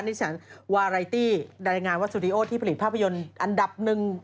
ดิฉันวาไรตี้รายงานว่าสตูดิโอที่ผลิตภาพยนตร์อันดับหนึ่ง